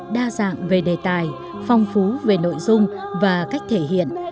đa dạng về đề tài phong phú về nội dung và cách thể hiện